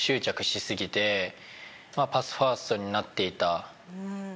パスファーストになっていた。